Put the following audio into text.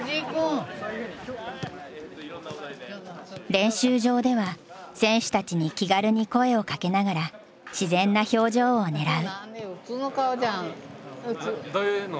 練習場では選手たちに気軽に声をかけながら自然な表情を狙う。